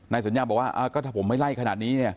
นายสัญญาบอกว่าก็ถ้าผมไม่ไล่ขนาดนี้